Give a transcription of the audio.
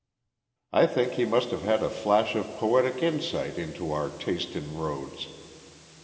I think he must have had a flash of poetic insight into our taste in roads.